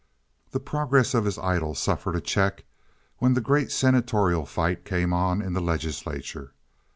The progress of his idyl suffered a check when the great senatorial fight came on in the Legislature.